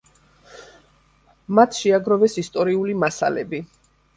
მათ შეაგროვეს ისტორიული მასალები.